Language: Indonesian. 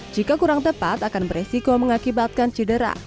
jika kurang tepat akan beresiko mengakibatkan cedera